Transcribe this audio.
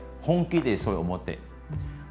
本気でそう思って。